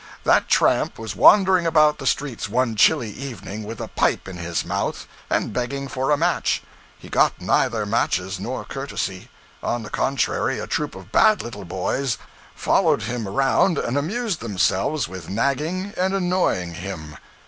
That tramp was wandering about the streets one chilly evening, with a pipe in his mouth, and begging for a match; he got neither matches nor courtesy; on the contrary, a troop of bad little boys followed him around and amused themselves with nagging and annoying him.